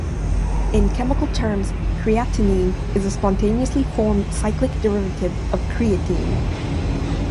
In chemical terms, creatinine is a spontaneously formed cyclic derivative of creatine.